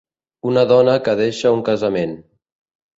Una dona que deixa un casament.